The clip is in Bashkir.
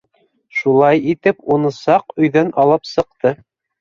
Шулай итеп уны саҡ өйҙән алып сыҡты.